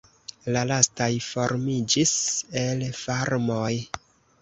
La lastaj formiĝis el farmoj.